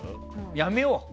やめよう。